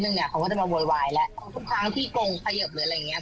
พวกเขามันจะโบรวายแล้วทุกครั้งพี่กลงใครเยี่ยมเหลืออะไรเงี้ย